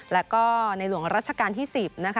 แล้วก็ในหลวงรัชกาลที่๑๐นะคะ